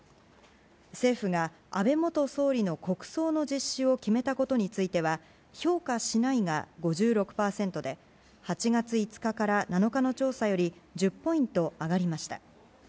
政府が、安倍元総理の国葬の実施を決めたことについては、評価しないが５６％で、８月５日から７日の調査より１０ポイント上がりました。